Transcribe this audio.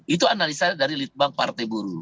itu analisa dari litbang partai buruh